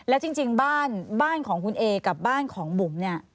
แล้วจริงบ้านบ้านของคุณเอกับบ้านของบุ๋มเนี่ย